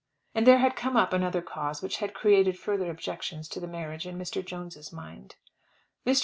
And there had come up another cause which had created further objections to the marriage in Mr. Jones's mind. Mr.